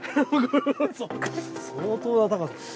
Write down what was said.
相当な高さ。